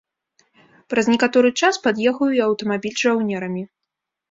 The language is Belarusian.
Праз некаторы час пад'ехаў і аўтамабіль з жаўнерамі.